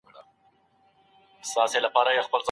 د شاه شجاع د وژنې پلان جوړ شو.